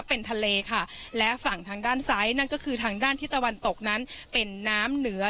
เป็นทะเลค่ะและฝั่งทางด้านซ้ายนั่นก็คือทางด้านที่ตะวันตกนั้นเป็นน้ำเหนือ